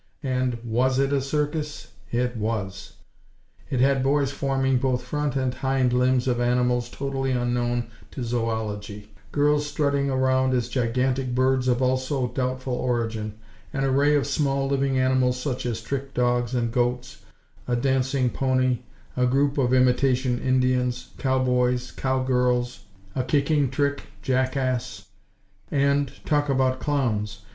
And was it a circus? It was!! It had boys forming both front and hind limbs of animals totally unknown to zoology; girls strutting around as gigantic birds of also doubtful origin; an array of small living animals such as trick dogs and goats, a dancing pony, a group of imitation Indians, cowboys, cowgirls, a kicking trick jack ass; and, talk about clowns!